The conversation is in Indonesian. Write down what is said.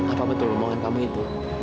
apa betul omongan kamu itu